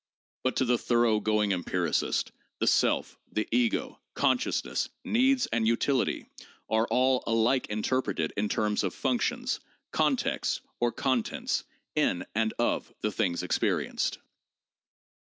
But to the thoroughgoing empiricist, the self, the ego, consciousness, needs and utility, are all alike interpreted in terms of functions, contexts or contents in and of the things experienced.